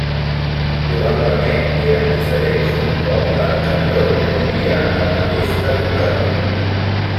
Probablement, eren diferents d'un poble anterior que vivia al mateix territori.